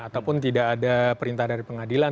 ataupun tidak ada perintah dari pengadilan